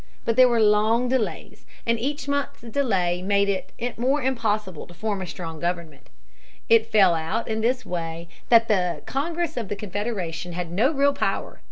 But there were long delays, and each month's delay made it more impossible to form a strong government. It fell out in this way that the Congress of the Confederation had no real power.